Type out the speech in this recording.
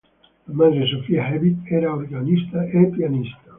La madre, Sophia Hewitt, era organista e pianista.